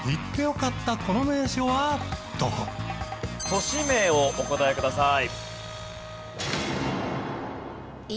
都市名をお答えください。